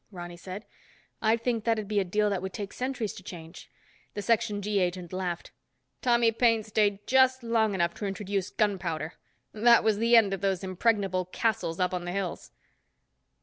Ronny said. "I'd think that'd be a deal that would take centuries to change." The Section G agent laughed. "Tommy Paine stayed just long enough to introduce gunpowder. That was the end of those impregnable castles up on the hills."